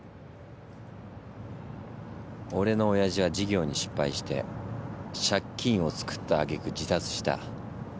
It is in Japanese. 俺のおやじは事業に失敗して借金を作ったあげく自殺した。